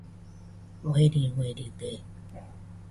Ueri ueride